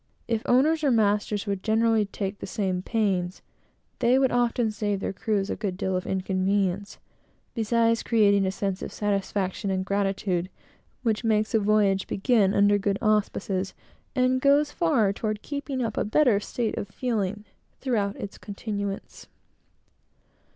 If owners or masters would more generally take the same pains, they would often save their crews a good deal of inconvenience, beside creating a sense of satisfaction and gratitude, which makes a voyage begin under good auspices, and goes far toward keeping up a better state of feeling throughout its continuance.